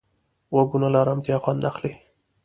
غوږونه له ارامتیا خوند اخلي